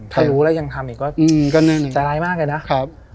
ถ้ารู้แล้วยังทำอีกก็ใจร้ายมากเลยนะครับ